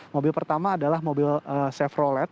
mobil pertama adalah mobil chevrolet